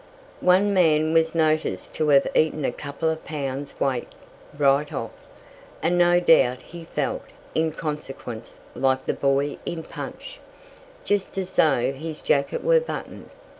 One man was noticed to have eaten a couple of pounds' weight right off, and no doubt he felt, in consequence, like the boy in "Punch", just as though his jacket were buttoned.